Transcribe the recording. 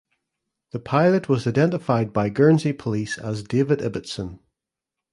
The pilot was identified by Guernsey Police as David Ibbotson.